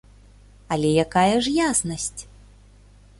Але якая ж яснасць?